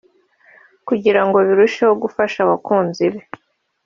kugirango birusheho gufasha abakunzi be